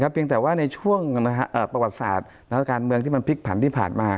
เพียงแต่ว่าในช่วงประวัติศาสตร์และการเมืองที่มันพลิกผันที่ผ่านมา